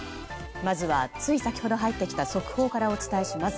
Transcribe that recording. まずはつい先ほど入ってきた速報からお伝えします。